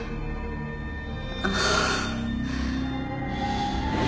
ああ。